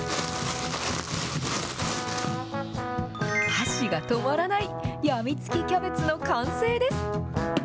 箸が止まらない、やみつきキャベツの完成です。